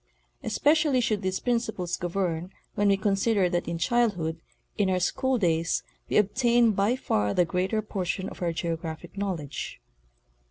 Especially should these principles govern when we consider that in childhood, in our school days, we obtain by far the greater portion of our geographic knowledge.